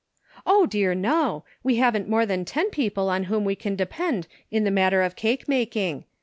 " Oh, dear, no ! We haven't more than ten people on whom we can depend in the matter of cake making.